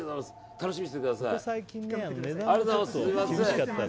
楽しみにしててください。